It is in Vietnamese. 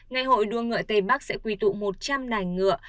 ngày hội đua ngựa tây bắc sẽ quy tụ một trăm linh đài ngựa